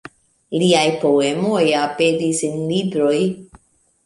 Liaj poemoj aperis en libroj.